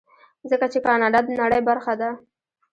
ځکه چې کاناډا د نړۍ برخه ده.